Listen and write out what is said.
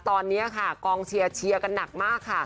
ตอนนี้ค่ะกองเชียร์เชียร์กันหนักมากค่ะ